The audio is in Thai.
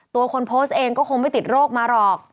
ตัวคนโพสต์เองก็คงไม่ติดโรคมาหรอก